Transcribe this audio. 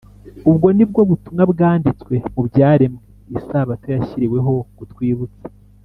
” ubwo ni bwo butumwa bwanditswe mu byaremwe isabato yashyiriweho kutwibutsa